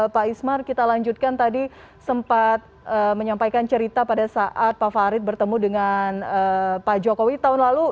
pak ismar kita lanjutkan tadi sempat menyampaikan cerita pada saat pak farid bertemu dengan pak jokowi tahun lalu